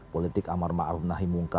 politik amar ma'arum nahimungka